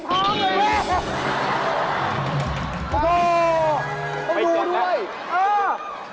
ก็ดูด้วย